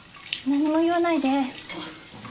何も言わないで。